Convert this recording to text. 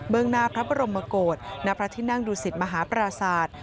เมืองหน้าพระบรมโมโกรธณพระทินั่งดูสิทธิ์มหาปราศาสตร์